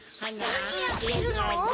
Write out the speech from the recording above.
なにやってるの？